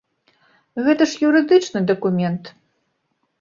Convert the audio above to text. Гэта ж юрыдычны дакумент.